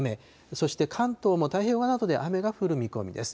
そして関東も太平洋側などで雨が降る見込みです。